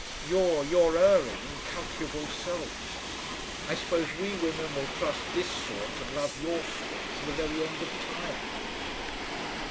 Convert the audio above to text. You're your erring, incalculable self. I suppose we women will trust this sort and love your sort to the very end of time...."